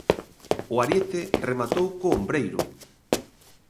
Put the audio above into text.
O ariete rematou co ombreiro.